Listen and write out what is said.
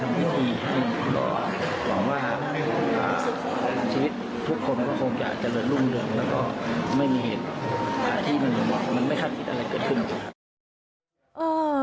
ที่มันไม่คาดคิดอะไรเกิดขึ้น